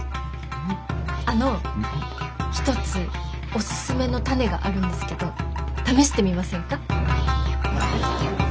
あの一つおすすめのタネがあるんですけど試してみませんか？